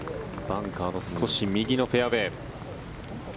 バンカーの少し右のフェアウェー。